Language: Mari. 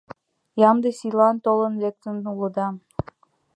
Ямде сийлан толын лектын улыда.